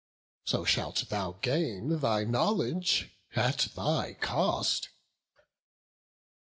So shalt thou gain thy knowledge at thy cost."